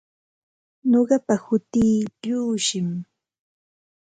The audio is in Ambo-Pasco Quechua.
Nuqapa hutii Llushim.